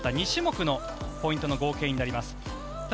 ２種目のポイントの合計になります。